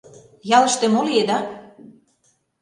Ялыште мо лиеда?